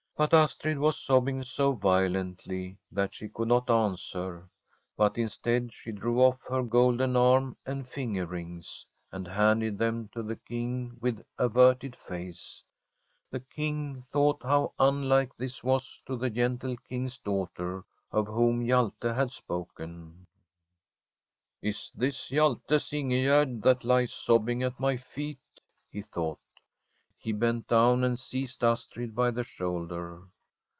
But Astrid was sobbing so violently that she could not answer, but instead she drew off her golden arm and finger rings, and handed them to the King with averted face. The King thought how unlike this was to the gentle Kingf s daughter of whom Hjalte had spoken. ' Is this Hjalte's Ingegerd that lies sobbing at my feet ?' he thought. He bent down and seized Astrid by the shoulder.